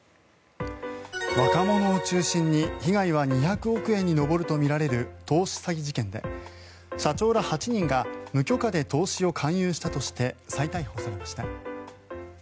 若者を中心に被害は２００億円に上るとみられる投資詐欺事件で社長ら８人が無許可で投資を勧誘したとして再逮捕されました。